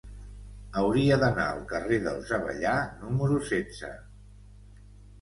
Hauria d'anar al carrer dels Avellà número setze.